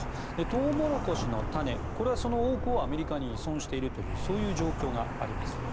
トウモロコシの種その多くをアメリカに依存しているというそういう状況があります。